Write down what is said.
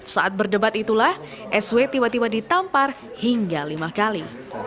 saat berdebat itulah sw tiba tiba ditampar hingga lima kali